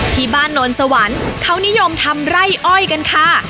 โนนสวรรค์เขานิยมทำไร่อ้อยกันค่ะ